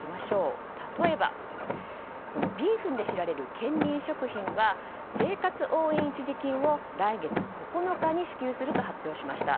例えば、ビーフンで知られるケンミン食品は生活応援一時金を来月９日に支給すると発表しました。